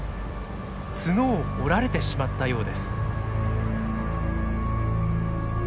角を折られてしまったようです。